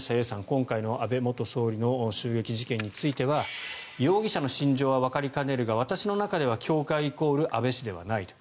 今回の安倍元総理の襲撃事件については容疑者の心情はわかりかねるが私の中では教会イコール安倍氏ではないと。